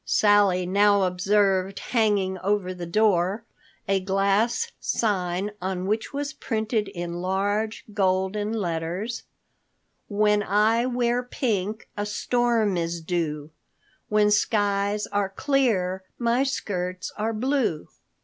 Sally now observed hanging over the door a glass sign on which was printed in large, golden letters WHEN I WEAR PINK, A STORM IS DUE, WHEN SKIES ARE CLEAR, MY SKIRTS ARE BLUE.